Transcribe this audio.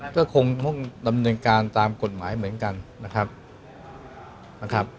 ก็คงตรงตำแหน่งกันตามกฎหมายเหมือนกันนะครับ